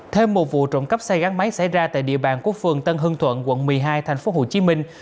thêm một vụ trộm cắp xe gắn máy xảy ra tại địa bàn của phường tân hương thuận quận một mươi hai thành phố hồ chí minh